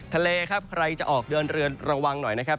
ทะเลครับใครจะออกเดินเรือระวังหน่อยนะครับ